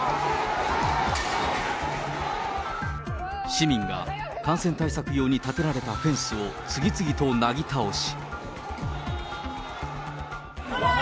市民が感染対策用に建てられたフェンスを次々となぎ倒し。